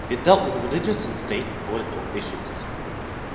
It dealt with religious and state (political) issues.